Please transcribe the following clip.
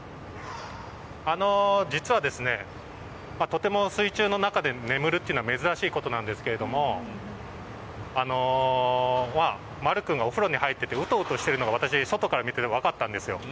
実は、とても水中の中で眠るというのは珍しいことなんですけれどもまる君がお風呂に入っていてうとうとしてるのが私、外から見ていて分かったんです。